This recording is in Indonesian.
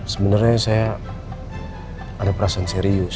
sebenarnya saya ada perasaan serius